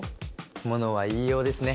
物は言いようですね。